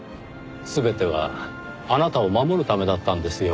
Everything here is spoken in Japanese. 全てはあなたを守るためだったんですよ。